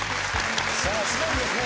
さあすでにですね